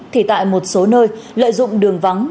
thì tại một số nơi lợi dụng đường vắng